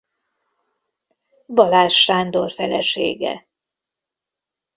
Balázs Sándor felesége.